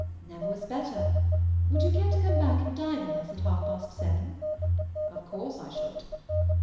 "Never was better. Would you care to come back and dine with us at half past seven?" "Of course I should."